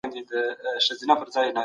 حتی تر هغه هم زياته اړتيا ورته سته.